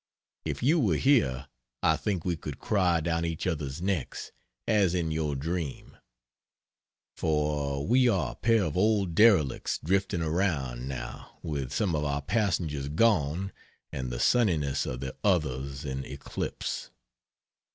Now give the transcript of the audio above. If you were here I think we could cry down each other's necks, as in your dream. For we are a pair of old derelicts drifting around, now, with some of our passengers gone and the sunniness of the others in eclipse.